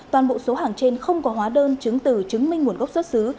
toàn bộ số hàng trên không có hóa đơn chứng từ chứng minh nguồn gốc xuất xứ